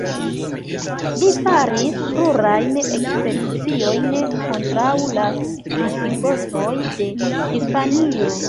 Li faris plurajn ekspediciojn kontraŭ la Visigotoj de Hispanio.